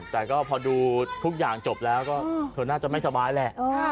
แต่ก็พอดูทุกอย่างจบแล้วก็เธอน่าจะไม่สบายแหละ